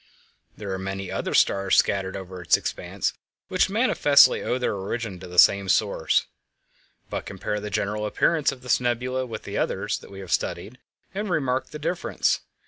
There are many other stars scattered over its expanse which manifestly owe their origin to the same source. But compare the general appearance of this nebula with the others that we have studied, and remark the difference.